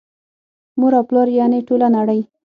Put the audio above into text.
مور او پلار یعني ټوله نړۍ